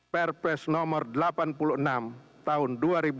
perpres nomor delapan puluh enam tahun dua ribu dua puluh